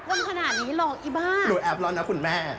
หรือแอปเล่าน่ะคุณแม่